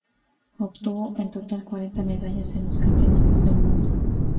Obtuvo en total cuarenta medallas en los campeonatos del mundo.